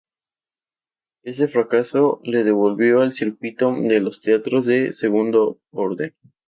Ese fracaso le devolvió al circuito de los teatros de segundo orden.